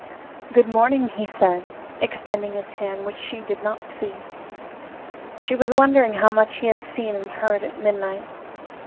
"Good morning," he said, extending his hand, which she did not see. She was wondering how much he had seen and heard at midnight.